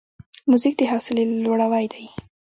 موزیک د حوصله لوړاوی دی.